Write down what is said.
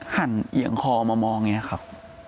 หันเอียงคอมามองอย่างนี้ครับ